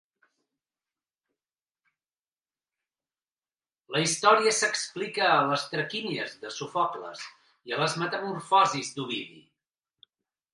La història s'explica a "Les traquínies" de Sòfocles i a "Les metamorfosis" d'Ovidi.